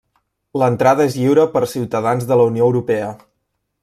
L'entrada és lliure per ciutadans de la Unió Europea.